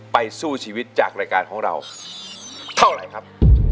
สู้ชีวิตจากรายการของเราเท่าไหร่ครับ